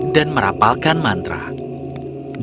dia mencari bantuan